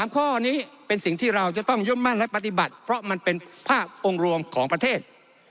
ข้อนี้เป็นสิ่งที่เราจะต้องย่อมมั่นและปฏิบัติเพราะมันเป็นภาพองค์รวมของประเทศ